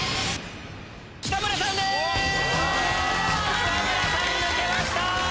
北村さん抜けました！